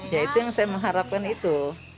ya itu yang saya mengharapkan itu